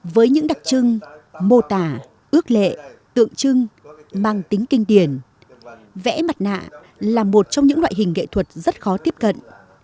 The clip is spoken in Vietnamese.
với những đặc trưng mô tả ước lệ tượng trưng mang tính kinh điển vẽ mặt nạ là một trong những loại hình nghệ thuật rất khó tiếp cận